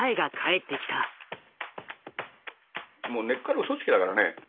もう根っからうそつきだからね。